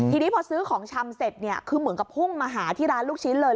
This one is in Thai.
ทีนี้พอซื้อของชำเสร็จเนี่ยคือเหมือนกับพุ่งมาหาที่ร้านลูกชิ้นเลย